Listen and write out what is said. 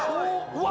うわ！